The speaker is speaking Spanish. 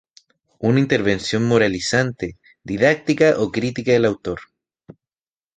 Una intervención moralizante, didáctica o crítica del autor.